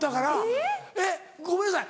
えっ！えっごめんなさい。